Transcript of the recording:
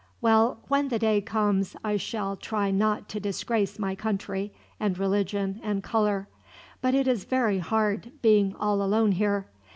Well, when the day comes I shall try not to disgrace my country, and religion, and color; but it is very hard, being all alone here.